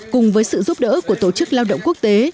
cùng với sự giúp đỡ của tổ chức lao động quốc tế